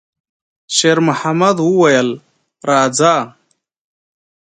شېرمحمد وویل: «راځه!»